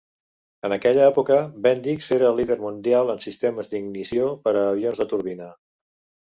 En aquella època, Bendix era el líder mundial en sistemes d'ignició per a avions de turbina.